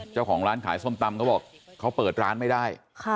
เจ้าของร้านขายส้มตำเขาบอกเขาเปิดร้านไม่ได้